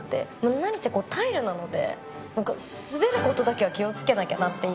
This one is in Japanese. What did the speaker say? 何せタイルなので、滑ることだけは気をつけなきゃなっていう。